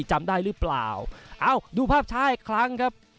จำได้หรือเปล่าเอ้าดูภาพช้าอีกครั้งครับ